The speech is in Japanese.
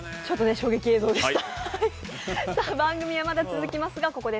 衝撃映像でした。